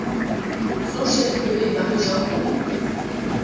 Son chef-lieu est Marijampolė.